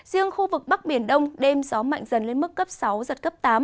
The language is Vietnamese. riêng khu vực bắc biển đông đêm gió mạnh dần lên mức cấp sáu giật cấp tám